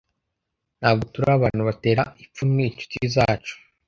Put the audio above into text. ntabwo turi abantu batera ipfunwe inshuti zacu